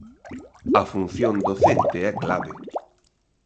A función docente é clave.